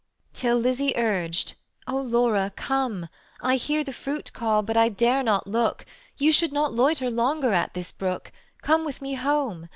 Till Lizzie urged: "O Laura, come; I hear the fruit call, but I dare not look: You should not loiter longer at this brook: Come with me home.